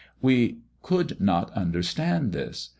We could not understand this.